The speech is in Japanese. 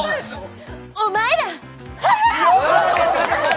お前ら。